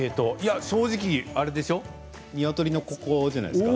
正直鶏のここ、じゃないですか。